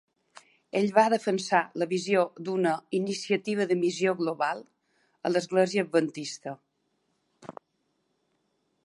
Ell va defensar la visió d'una "iniciativa de missió global" a l'Església Adventista.